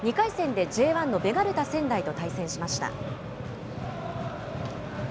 ２回戦でＪ１のベガルタ仙台と対戦しました。